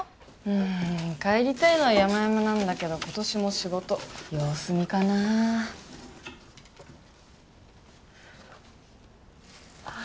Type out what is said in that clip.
うん帰りたいのはやまやまなんだけど今年も仕事様子見かなああ